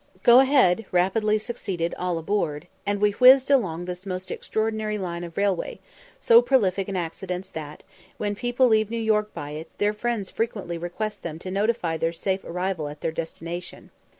"Go ahead" rapidly succeeded "All aboard," and we whizzed along this most extraordinary line of railway, so prolific in accidents that, when people leave New York by it, their friends frequently request them to notify their safe arrival at their destination.